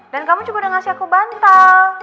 dan kamu juga udah ngasih aku bantal